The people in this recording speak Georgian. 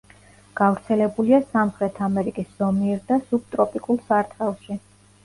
გავრცელებულია სამხრეთ ამერიკის ზომიერ და სუბტროპიკულ სარტყელში.